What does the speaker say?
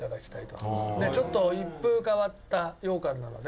ちょっと一風変わった羊羹なので。